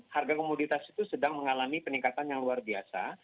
harga komoditas itu sedang mengalami peningkatan yang luar biasa